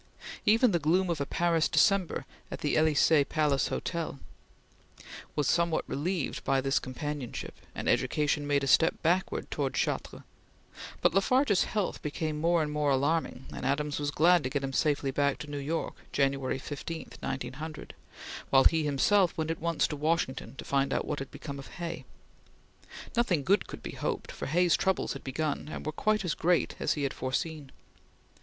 Even the gloom of a Paris December at the Elysee Palace Hotel was somewhat relieved by this companionship, and education made a step backwards towards Chartres, but La Farge's health became more and more alarming, and Adams was glad to get him safely back to New York, January 15, 1900, while he himself went at once to Washington to find out what had become of Hay. Nothing good could be hoped, for Hay's troubles had begun, and were quite as great as he had foreseen.